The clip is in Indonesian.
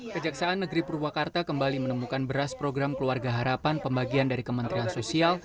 kejaksaan negeri purwakarta kembali menemukan beras program keluarga harapan pembagian dari kementerian sosial